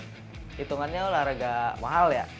hitungannya olahraga mahal ya